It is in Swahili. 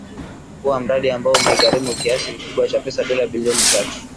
kuwa mradi ambao umeigharimu kiasi kikubwa cha pesa dola bilioni tatu